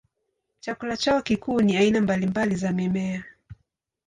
Chakula chao kikuu ni aina mbalimbali za mimea.